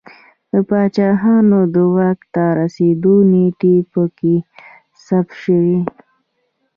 د پاچاهانو د واک ته رسېدو نېټې په کې ثبت شوې